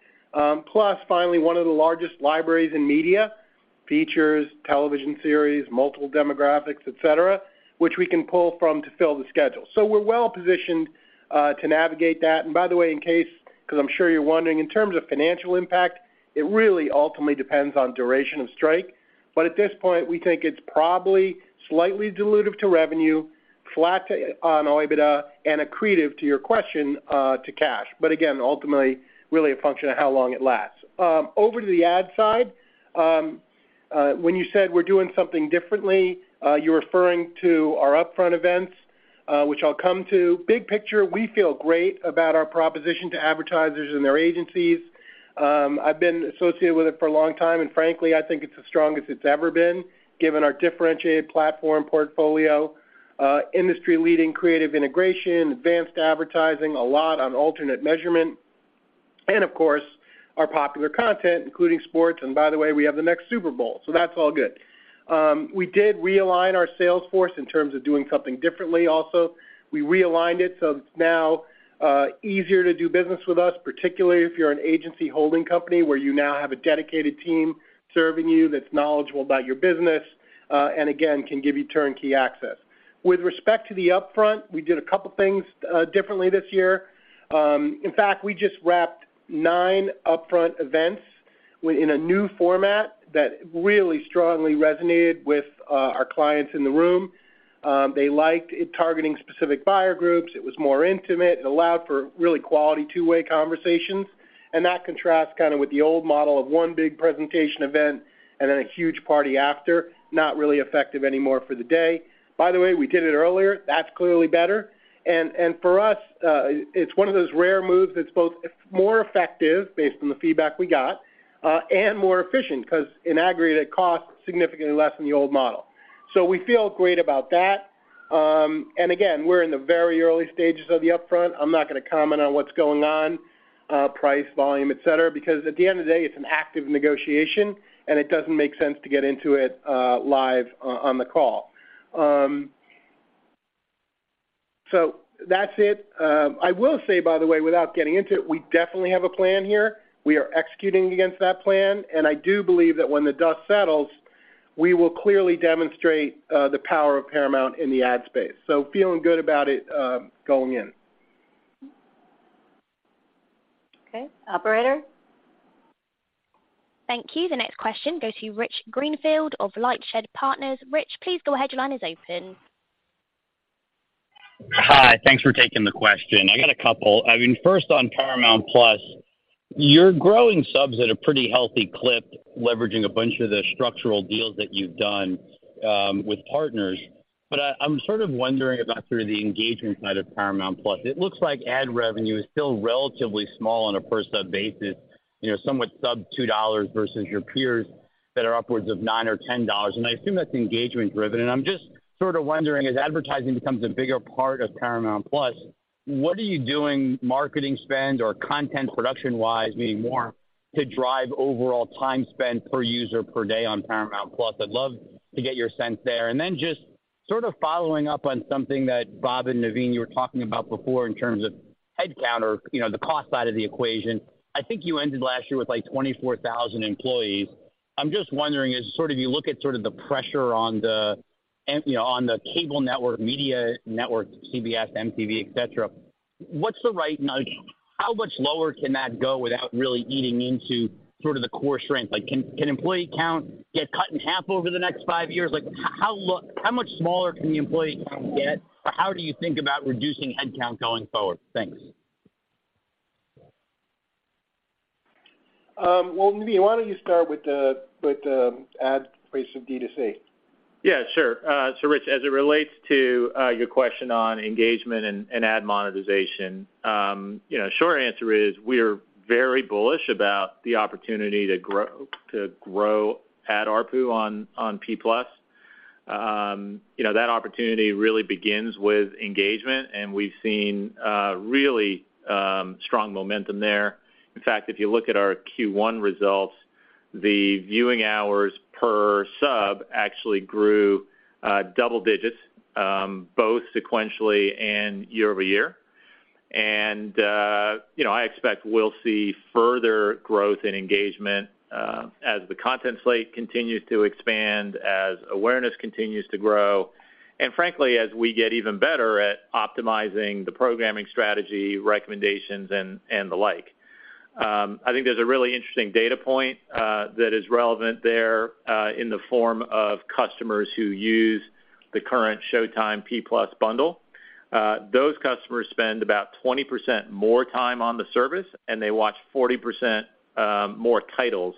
Finally, one of the largest libraries in media, features, television series, multiple demographics, et cetera, which we can pull from to fill the schedule. We're well-positioned to navigate that. By the way, in case, because I'm sure you're wondering, in terms of financial impact, it really ultimately depends on duration of strike. At this point, we think it's probably slightly dilutive to revenue, flat on OIBDA, and accretive to your question, to cash. Again, ultimately really a function of how long it lasts. Over to the ad side. When you said we're doing something differently, you're referring to our upfront events, which I'll come to. Big picture, we feel great about our proposition to advertisers and their agencies. I've been associated with it for a long time, and frankly, I think it's the strongest it's ever been given our differentiated platform portfolio, industry-leading creative integration, advanced advertising, a lot on alternate measurement, and of course, our popular content, including sports. By the way, we have the next Super Bowl, so that's all good. We did realign our sales force in terms of doing something differently also. We realigned it, so it's now easier to do business with us, particularly if you're an agency holding company where you now have a dedicated team serving you that's knowledgeable about your business, and again, can give you turnkey access. With respect to the upfront, we did a couple things differently this year. In fact, we just wrapped nine upfront events. We're in a new format that really strongly resonated with our clients in the room. They liked it targeting specific buyer groups. It was more intimate. It allowed for really quality two-way conversations, and that contrasts kinda with the old model of one big presentation event and then a huge party after. Not really effective anymore for the day. By the way, we did it earlier. That's clearly better. For us, it's one of those rare moves that's both more effective based on the feedback we got and more efficient 'cause in aggregate, it costs significantly less than the old model. We feel great about that. Again, we're in the very early stages of the upfront. I'm not gonna comment on what's going on, price, volume, et cetera, because at the end of the day, it's an active negotiation, and it doesn't make sense to get into it live on the call. That's it. I will say, by the way, without getting into it, we definitely have a plan here. We are executing against that plan. I do believe that when the dust settles, we will clearly demonstrate the power of Paramount in the ad space. Feeling good about it, going in. Okay. Operator? Thank you. The next question goes to Rich Greenfield of LightShed Partners. Rich, please go ahead. Your line is open. Hi. Thanks for taking the question. I got a couple. I mean, first on Paramount+, you're growing subs at a pretty healthy clip, leveraging a bunch of the structural deals that you've done with partners. I'm sort of wondering about sort of the engagement side of Paramount+. It looks like ad revenue is still relatively small on a per sub basis, you know, somewhat sub $2 versus your peers that are upwards of $9 or $10, I assume that's engagement driven. I'm just sort of wondering, as advertising becomes a bigger part of Paramount+, what are you doing marketing spend or content production-wise, meaning more to drive overall time spent per user per day on Paramount+? I'd love to get your sense there. Just sort of following up on something that Bob and Naveen, you were talking about before in terms of headcount or, you know, the cost side of the equation. I think you ended last year with, like, 24,000 employees. I'm just wondering, as sort of you look at sort of the pressure on the, you know, on the cable network, media network, CBS, MTV, et cetera, what's the right. How much lower can that go without really eating into sort of the core strength? Like, can employee count get cut in half over the next five years? Like how much smaller can the employee count get, or how do you think about reducing headcount going forward? Thanks. Naveen, why don't you start with the, with the ad piece of D2C? Yeah, sure. Rich, as it relates to your question on engagement and ad monetization, you know, short answer is we're very bullish about the opportunity to grow ad ARPU on Paramount+. You know, that opportunity really begins with engagement, we've seen really strong momentum there. In fact, if you look at our Q1 results, the viewing hours per sub actually grew double digits both sequentially and year-over-year. You know, I expect we'll see further growth in engagement as the content slate continues to expand, as awareness continues to grow, and frankly, as we get even better at optimizing the programming strategy, recommendations, and the like. I think there's a really interesting data point that is relevant there in the form of customers who use the current Showtime P+ bundle. Those customers spend about 20% more time on the service, they watch 40% more titles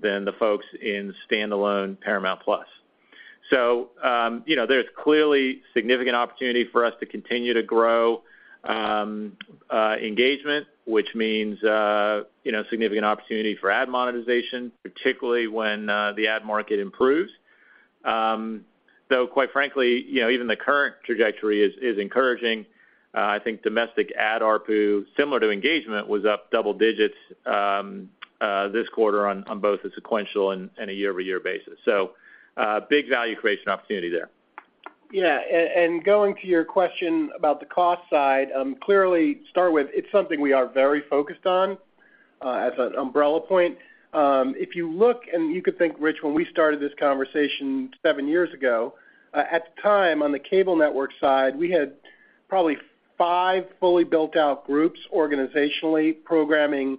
than the folks in standalone Paramount+. You know, there's clearly significant opportunity for us to continue to grow engagement, which means, you know, significant opportunity for ad monetization, particularly when the ad market improves. Though, quite frankly, you know, even the current trajectory is encouraging. I think domestic ad ARPU, similar to engagement, was up double digits this quarter on both a sequential and a year-over-year basis. Big value creation opportunity there. Yeah. Going to your question about the cost side, clearly start with it's something we are very focused on as an umbrella point. If you look and you could think, Rich, when we started this conversation seven years ago, at the time, on the cable network side, we had probably five fully built out groups organizationally programming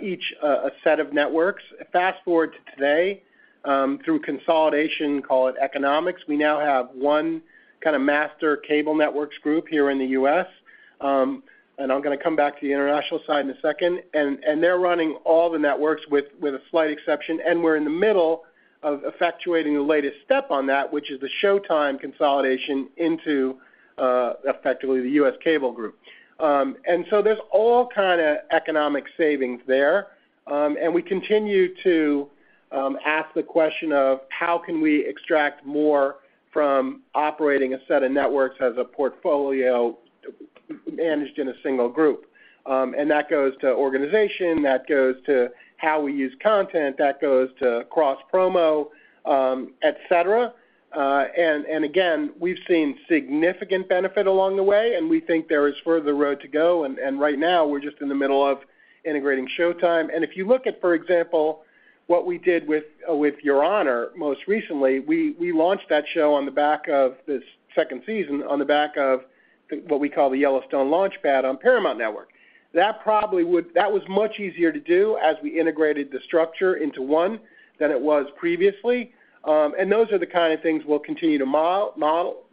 each a set of networks. Fast-forward to today, through consolidation, call it economics, we now have one kinda master cable networks group here in the U.S., and I'm gonna come back to the international side in a second, and they're running all the networks with a slight exception, and we're in the middle of effectuating the latest step on that, which is the Showtime consolidation into effectively the U.S. cable group. There's all kinda economic savings there. We continue to ask the question of how can we extract more from operating a set of networks as a portfolio managed in a single group. That goes to organization, that goes to how we use content, that goes to cross promo, et cetera. Again, we've seen significant benefit along the way, and we think there is further road to go. Right now we're just in the middle of integrating Showtime. If you look at, for example, what we did with Your Honor most recently, we launched that show on the back of this second season, on the back of what we call the Yellowstone launchpad on Paramount Network. That was much easier to do as we integrated the structure into one than it was previously. Those are the kind of things we'll continue to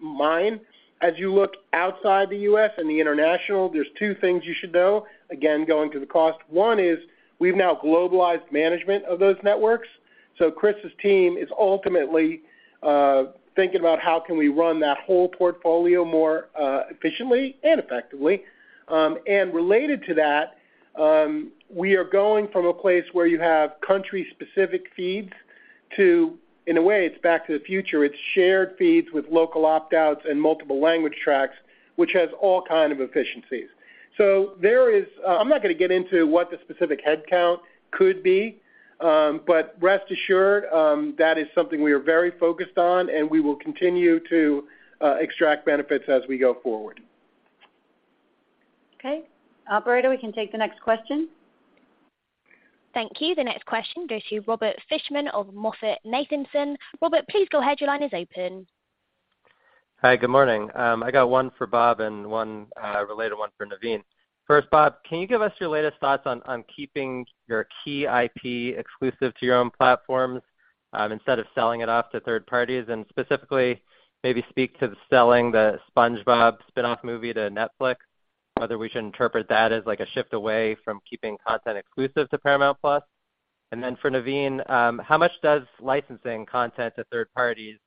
mine. As you look outside the U.S. and the international, there's two things you should know. Again, going to the cost. one is we've now globalized management of those networks. Chris's team is ultimately thinking about how can we run that whole portfolio more efficiently and effectively. Related to that, we are going from a place where you have country-specific feeds to, in a way, it's back to the future. It's shared feeds with local opt-outs and multiple language tracks, which has all kind of efficiencies. I'm not gonna get into what the specific headcount could be, rest assured, that is something we are very focused on, we will continue to extract benefits as we go forward. Okay. Operator, we can take the next question. Thank you. The next question goes to Robert Fishman of MoffettNathanson. Robert, please go ahead. Your line is open. Hi. Good morning. I got one for Bob and one related one for Naveen. First, Bob, can you give us your latest thoughts on keeping your key IP exclusive to your own platforms, instead of selling it off to third parties? Specifically, maybe speak to the selling the SpongeBob spin-off movie to Netflix, whether we should interpret that as like a shift away from keeping content exclusive to Paramount+. Then for Naveen, how much does licensing content to third parties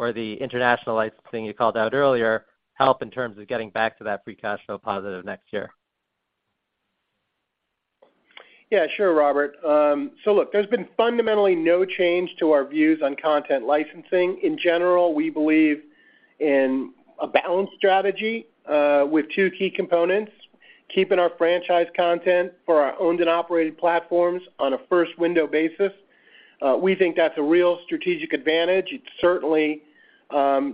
or the international licensing you called out earlier help in terms of getting back to that free cash flow positive next year? Yeah, sure, Robert. Look, there's been fundamentally no change to our views on content licensing. In general, we believe in a balanced strategy with two key components, keeping our franchise content for our owned and operated platforms on a first window basis. We think that's a real strategic advantage. It certainly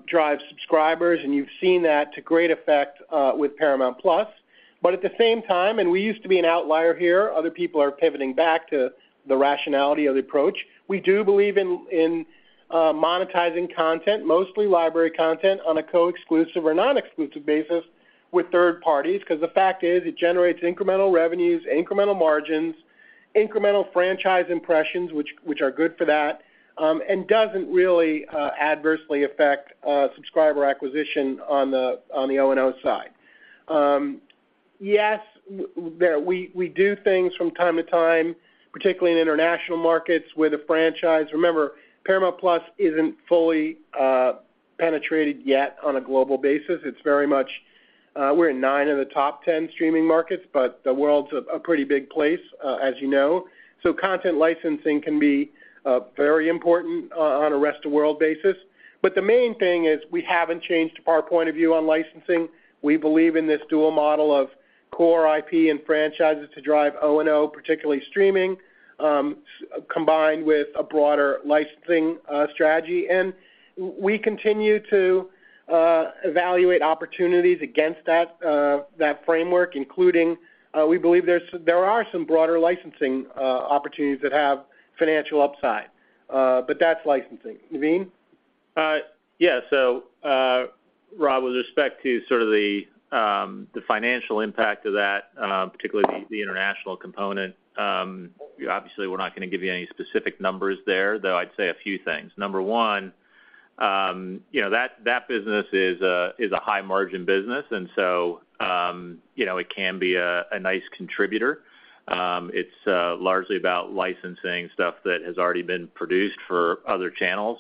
drives subscribers, and you've seen that to great effect with Paramount+. At the same time, and we used to be an outlier here, other people are pivoting back to the rationality of the approach. We do believe in monetizing content, mostly library content, on a co-exclusive or non-exclusive basis with third parties because the fact is it generates incremental revenues, incremental margins, incremental franchise impressions, which are good for that, and doesn't really adversely affect subscriber acquisition on the O&O side. Yes, we do things from time to time, particularly in international markets with a franchise. Remember, Paramount+ isn't fully penetrated yet on a global basis. It's very much, we're in nine of the top 10 streaming markets, but the world's a pretty big place, as you know. Content licensing can be very important on a rest of world basis. The main thing is we haven't changed our point of view on licensing. We believe in this dual model of core IP and franchises to drive O&O, particularly streaming, combined with a broader licensing strategy. We continue to evaluate opportunities against that framework, including, we believe there are some broader licensing opportunities that have financial upside. But that's licensing. Naveen? Yeah. Rob, with respect to sort of the financial impact of that, particularly the international component, obviously, we're not gonna give you any specific numbers there, though I'd say a few things. Number one, you know, that business is a, is a high-margin business, and so, you know, it can be a nice contributor. It's largely about licensing stuff that has already been produced for other channels.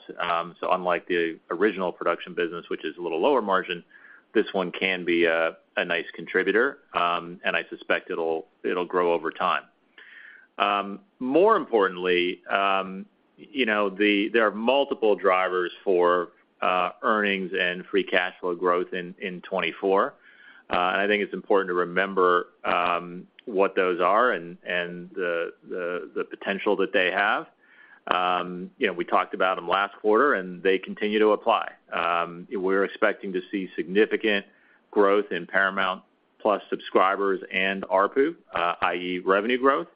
Unlike the original production business, which is a little lower margin, this one can be a nice contributor, and I suspect it'll grow over time. More importantly, you know, there are multiple drivers for earnings and free cash flow growth in 2024. I think it's important to remember what those are and the potential that they have. You know, we talked about them last quarter, they continue to apply. We're expecting to see significant growth in Paramount+ subscribers and ARPU, i.e. revenue growth.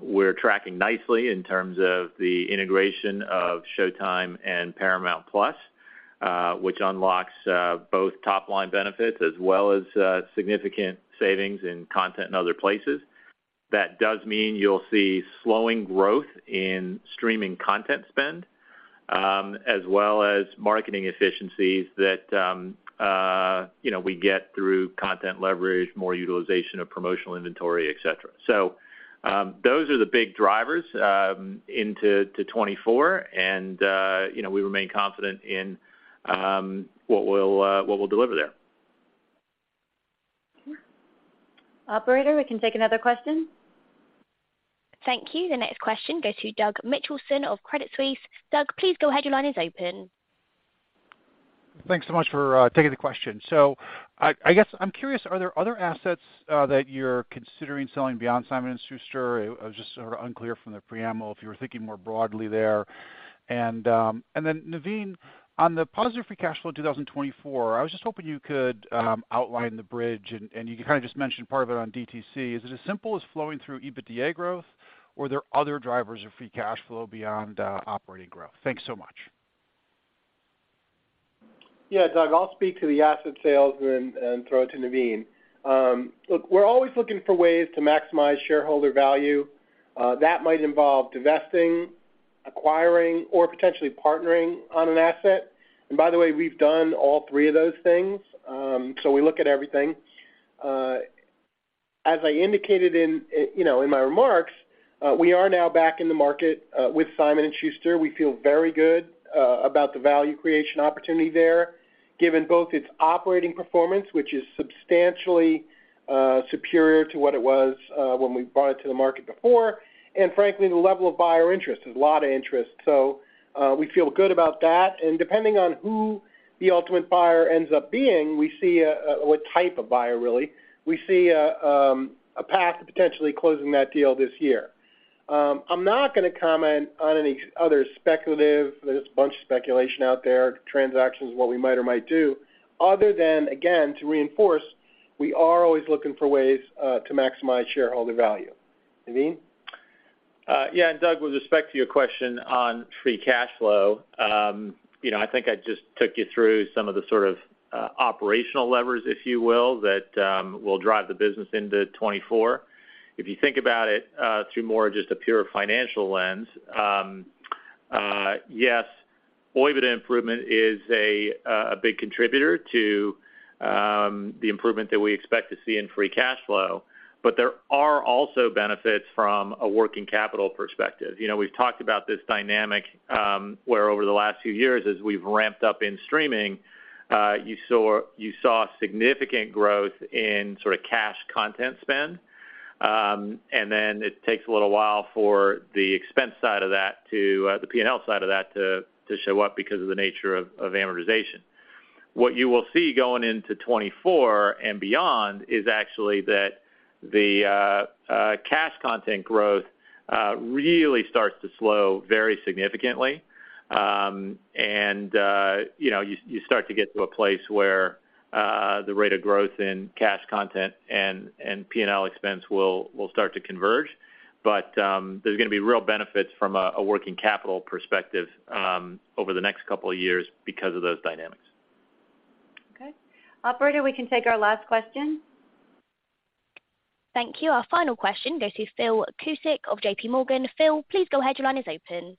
We're tracking nicely in terms of the integration of Showtime and Paramount+, which unlocks both top-line benefits as well as significant savings in content in other places. That does mean you'll see slowing growth in streaming content spend, as well as marketing efficiencies that, you know, we get through content leverage, more utilization of promotional inventory, et cetera. Those are the big drivers into 2024. You know, we remain confident in what we'll deliver there. Okay. Operator, we can take another question. Thank you. The next question goes to Doug Mitchelson of Credit Suisse. Doug, please go ahead. Your line is open. Thanks so much for taking the question. I guess I'm curious, are there other assets that you're considering selling beyond Simon & Schuster? I was just sort of unclear from the preamble if you were thinking more broadly there. Naveen, on the positive free cash flow in 2024, I was just hoping you could outline the bridge and you kinda just mentioned part of it on DTC. Is it as simple as flowing through EBITDA growth, or are there other drivers of free cash flow beyond operating growth? Thanks so much. Yeah, Doug, I'll speak to the asset sales and throw it to Naveen. Look, we're always looking for ways to maximize shareholder value. That might involve divesting, acquiring or potentially partnering on an asset. By the way, we've done all three of those things. We look at everything. As I indicated in, you know, in my remarks, we are now back in the market with Simon & Schuster. We feel very good about the value creation opportunity there, given both its operating performance, which is substantially superior to what it was when we brought it to the market before, and frankly, the level of buyer interest. There's a lot of interest. We feel good about that. Depending on who the ultimate buyer ends up being, we see a... What type of buyer really, we see a path to potentially closing that deal this year. I'm not gonna comment on any other speculative, there's a bunch of speculation out there, transactions, what we might or might do other than, again, to reinforce, we are always looking for ways to maximize shareholder value. Naveen? Yeah. Doug, with respect to your question on free cash flow, you know, I think I just took you through some of the sort of operational levers, if you will, that will drive the business into 2024. If you think about it, through more just a pure financial lens, yes, OIBDA improvement is a big contributor to the improvement that we expect to see in free cash flow. There are also benefits from a working capital perspective. You know, we've talked about this dynamic, where over the last few years, as we've ramped up in streaming, you saw significant growth in sort of cash content spend. It takes a little while for the expense side of that to the P&L side of that to show up because of the nature of amortization. What you will see going into 2024 and beyond is actually that the cash content growth really starts to slow very significantly. You know, you start to get to a place where the rate of growth in cash content and P&L expense will start to converge. There's gonna be real benefits from a working capital perspective, over the next couple of years because of those dynamics. Okay. Operator, we can take our last question. Thank you. Our final question goes to Philip Cusick of JPMorgan. Phil, please go ahead. Your line is open.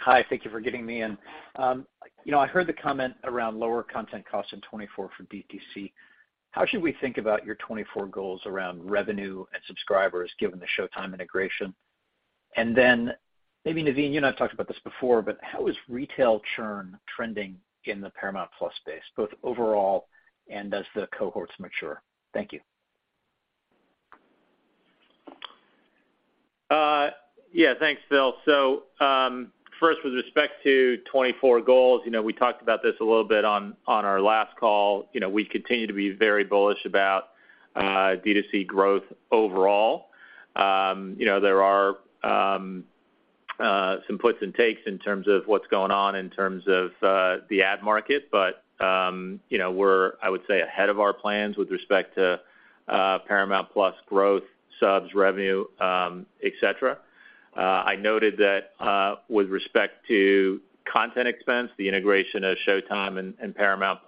Hi. Thank you for getting me in. you know, I heard the comment around lower content costs in 2024 for D2C. How should we think about your 2024 goals around revenue and subscribers given the Showtime integration? Maybe, Naveen, you and I have talked about this before, but how is retail churn trending in the Paramount+ base, both overall and as the cohorts mature? Thank you. Yeah. Thanks, Phil. First, with respect to 2024 goals, you know, we talked about this a little bit on our last call. You know, we continue to be very bullish about D2C growth overall. You know, there are some puts and takes in terms of what's going on in terms of the ad market, but you know, we're, I would say, ahead of our plans with respect to Paramount+ growth, subs, revenue, et cetera. I noted that with respect to content expense, the integration of Showtime and Paramount+,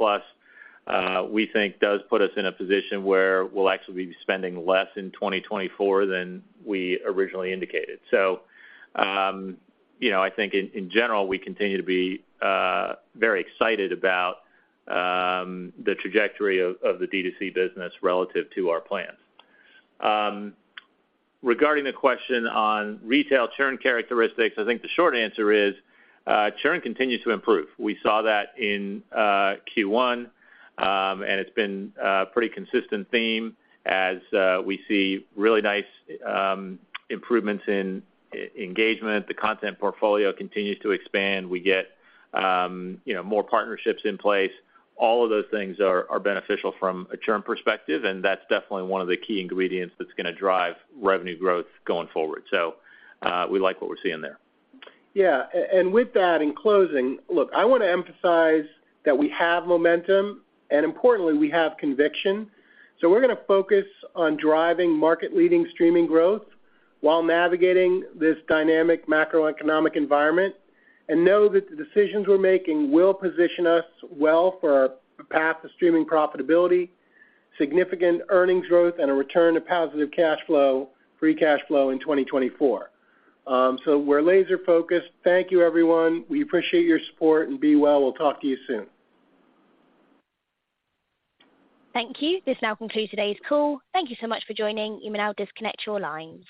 we think does put us in a position where we'll actually be spending less in 2024 than we originally indicated. You know, I think in general, we continue to be very excited about the trajectory of the D2C business relative to our plans. Regarding the question on retail churn characteristics, I think the short answer is churn continues to improve. We saw that in Q1, and it's been a pretty consistent theme as we see really nice improvements in e-engagement. The content portfolio continues to expand. We get, you know, more partnerships in place. All of those things are beneficial from a churn perspective, and that's definitely one of the key ingredients that's gonna drive revenue growth going forward. We like what we're seeing there. Yeah. With that, in closing, look, I wanna emphasize that we have momentum, importantly, we have conviction. We're gonna focus on driving market-leading streaming growth while navigating this dynamic macroeconomic environment and know that the decisions we're making will position us well for our path to streaming profitability, significant earnings growth, and a return to positive cash flow, free cash flow in 2024. We're laser focused. Thank you, everyone. We appreciate your support and be well. We'll talk to you soon. Thank you. This now concludes today's call. Thank you so much for joining. You may now disconnect your lines.